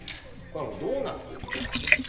これはもうドーナツですね